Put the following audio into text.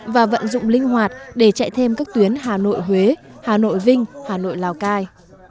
và vận dụng linh hoạt để chạy thêm các tuyến hà nội huế hà nội vinh hà nội lào cai